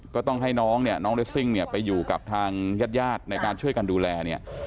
ก็ต้องให้น้องเนี่ยน้องเรสซิ่งเนี่ยไปอยู่กับทางญาติญาติในการช่วยกันดูแลเนี่ย